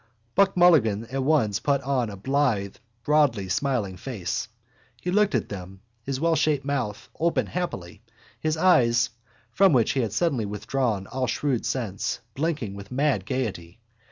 Buck Mulligan at once put on a blithe broadly smiling face. He looked at them, his wellshaped mouth open happily, his eyes, from which he had suddenly withdrawn all shrewd sense, blinking with mad gaiety.